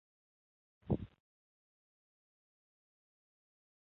这首歌由北京奥运会闭幕式音乐总监卞留念谱曲。